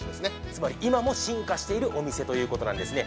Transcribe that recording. つまり今も進化しているお店ということなんですね。